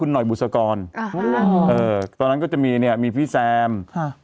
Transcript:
หน่อยบุษกรอ่าเออตอนนั้นก็จะมีเนี่ยมีพี่แซมค่ะ